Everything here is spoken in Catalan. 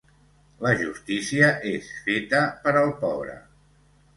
La justícia és feta per al pobre.